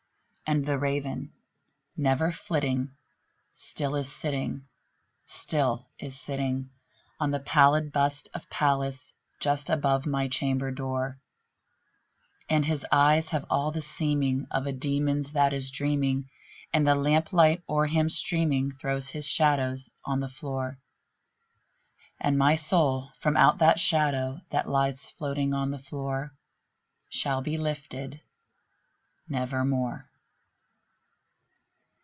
And the Raven, never flitting, still is sitting, still is sitting On the pallid bust of Pallas just above my chamber door; And his eyes have all the seeming of a demon's that is dreaming, And the lamp light o'er him streaming throws his shadow on the floor; And my soul from out that shadow that lies floating on the floor Shall be lifted nevermore!